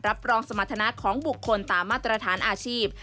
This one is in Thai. รับรองสมรรถนะของบุคคลตามมาตรฐานอาชีพ